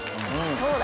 そうだ。